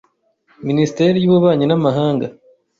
Minisiteri y’Ububanyi n’Amahanga